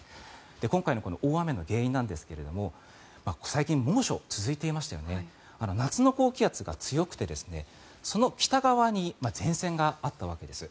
今回の大雨の原因なんですが最近、猛暑が続いていましたよね夏の高気圧が強くてその北側に前線があったわけです。